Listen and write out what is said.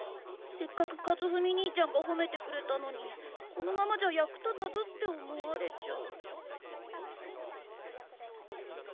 せっかく和史にいちゃんがほめてくれたのにこのままじゃ役立たずって思われちゃう。